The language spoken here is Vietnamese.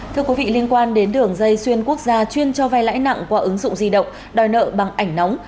thưa quý vị liên quan đến đường dây xuyên quốc gia chuyên cho vay lãi nặng qua ứng dụng di động đòi nợ bằng ảnh nóng